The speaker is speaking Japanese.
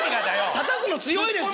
たたくの強いですよね。